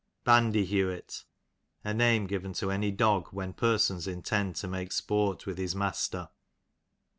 Bandyhewit, a name given to any dog, when persons intend to make sport with his master.